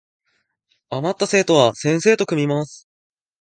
あまった生徒は先生と組みます